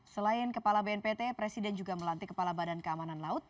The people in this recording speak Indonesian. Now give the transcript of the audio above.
selain kepala bnpt presiden juga melantik kepala badan keamanan laut